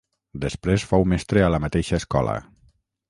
Després fou mestre a la mateixa escola.